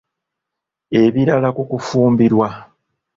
Ebirala ku kufumbirwa.